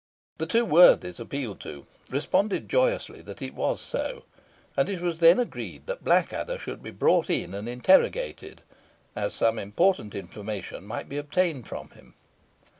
The two worthies appealed to responded joyously, that it was so; and it was then agreed that Blackadder should be brought in and interrogated, as some important information might be obtained from him.